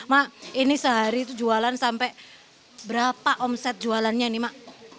mak ini sehari itu jualan sampai berapa omset jualannya nih mak